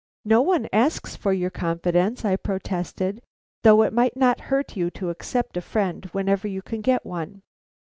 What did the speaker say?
"No one asks for your confidence," I protested, "though it might not hurt you to accept a friend whenever you can get one.